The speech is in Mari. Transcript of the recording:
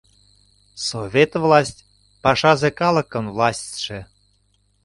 Совет власть — пашазе калыкын властьше.